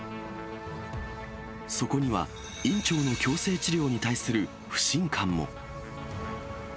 そこには、院長の矯正治療に対する不信感も。